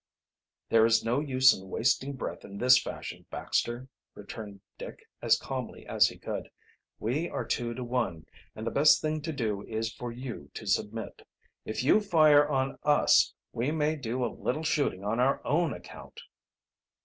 "There is no use in wasting breath in this fashion, Baxter," returned Dick, as calmly as he could. "We are two to one, and the best thing to do is for you to submit. If you fire on us, we may do a little shooting on our own account."